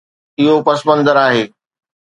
اهو پس منظر آهي.